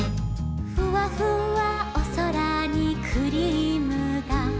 「ふわふわおそらにクリームだ」